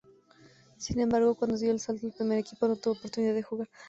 Sin embargo, cuando dio el salto al primer equipo no tuvo oportunidad de jugar.